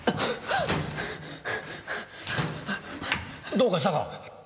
どうかしたか？